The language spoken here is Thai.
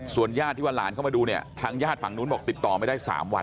ญาติที่ว่าหลานเข้ามาดูเนี่ยทางญาติฝั่งนู้นบอกติดต่อไม่ได้๓วัน